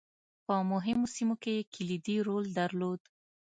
په مهمو سیمو کې یې کلیدي رول درلود.